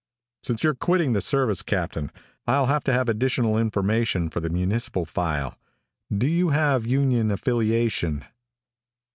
"Since you're quitting the service, Captain, I'll have to have additional information for the municipal file. Do you have union affiliation?"